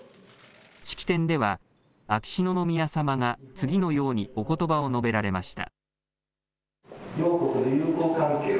式典では、秋篠宮さまが次のようにおことばを述べられました。